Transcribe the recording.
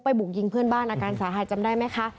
บุกยิงเพื่อนบ้านอาการสาหัสจำได้ไหมคะ